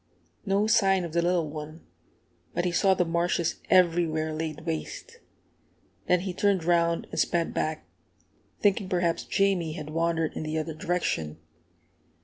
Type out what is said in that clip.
No sign of the little one; but he saw the marshes everywhere laid waste. Then he turned round and sped back, thinking perhaps Jamie had wandered in the other direction.